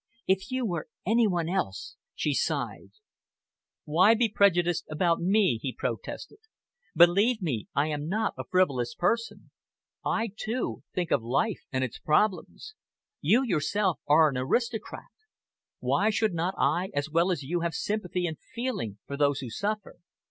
"If you were any one else!" she sighed. "Why be prejudiced about me?" he protested. "Believe me, I am not a frivolous person. I, too, think of life and its problems. You yourself are an aristocrat. Why should not I as well as you have sympathy and feeling for those who suffer?"